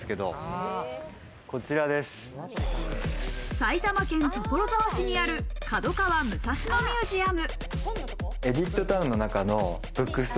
埼玉県所沢市にある角川武蔵野ミュージアム。